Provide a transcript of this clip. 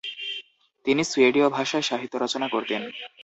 তিনি সুয়েডীয় ভাষায় সাহিত্য রচনা করতেন।